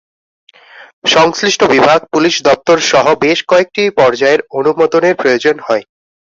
সংশ্লিষ্ট বিভাগ, পুলিশ সদর দপ্তরসহ বেশ কয়েকটি পর্যায়ের অনুমোদনের প্রয়োজন হয়।